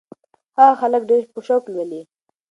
هغه هلک ډېر په شوق لولي.